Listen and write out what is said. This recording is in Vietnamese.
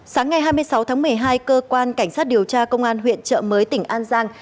sáng ngày hai mươi sáu tháng một mươi hai cơ quan cảnh sát điều tra công an huyện trợ mới tỉnh an giang